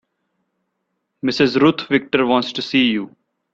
Mrs. Ruth Victor wants to see you.